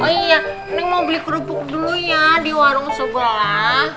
oh iya ini mau beli kerupuk dulu ya di warung sebelah